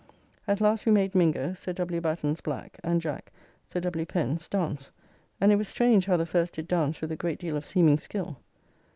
At last we made Mingo, Sir W. Batten's black, and Jack, Sir W. Pen's, dance, and it was strange how the first did dance with a great deal of seeming skill.